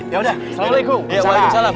ya udah assalamu'alaikum waalaikumsalam